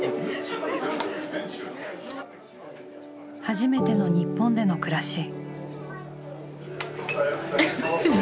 初めての日本での暮らし。